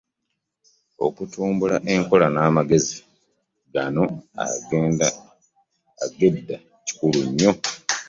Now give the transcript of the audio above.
Okutumbula enkola n’amagezi gano ag’edda kikulu nnyo.